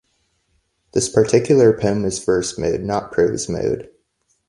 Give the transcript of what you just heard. This particular poem is verse-mode, not prose-mode.